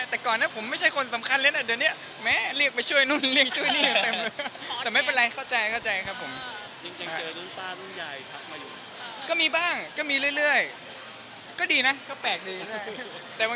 แต่ก่อนนั้นผมไม่ใช่คนสำคัญแล้ว